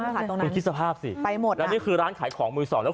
ความคิสภาพสิไปหมดนี่คือร้านขายของมือสองแล้ว